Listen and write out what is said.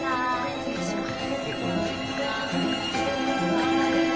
失礼します。